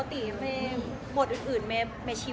แต่ว่ามันไม่ฝากนะ